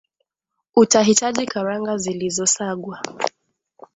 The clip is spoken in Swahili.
utahitaji Karanga zilizosagwa